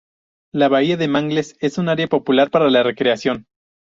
La bahía de Mangles es un área popular para la recreación.